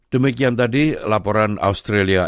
demikian tadi laporan australia